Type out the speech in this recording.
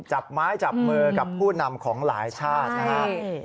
จับไม้จับมือกับผู้นำของหลายชาตินะครับ